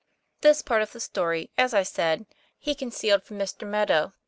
This part of the story, as I said, he concealed from Mr. Meadow.